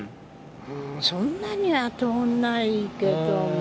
そんなには通んないけども。